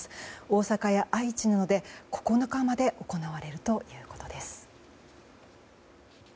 大阪や愛知などで９日まで行われるということです。